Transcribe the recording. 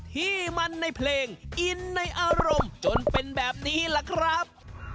ที่มันในเพลงอินในอารมณ์จนเป็นแบบนี้ล่ะครับ